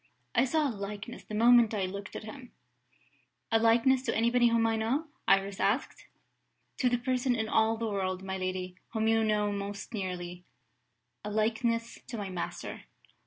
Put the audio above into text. I saw a likeness, the moment I looked at him." "A likeness to anybody whom I know?" Iris asked. "To the person in all the world, my lady, whom you know most nearly a likeness to my master."